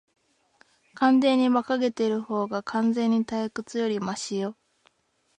完全に馬鹿げているほうが、完全に退屈よりマシよ。